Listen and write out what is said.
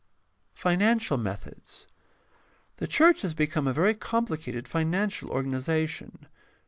Financial methods. — The church has become a very compHcated financial organization.